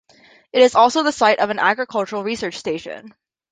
It also is the site of an agricultural research station.